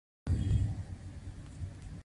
یا له شدید ځپونکي نظام سره مخ یو.